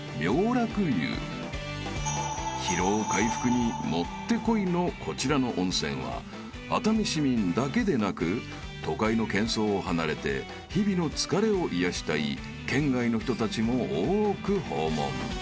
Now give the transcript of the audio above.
［疲労回復にもってこいのこちらの温泉は熱海市民だけでなく都会の喧騒を離れて日々の疲れを癒やしたい県外の人たちも多く訪問］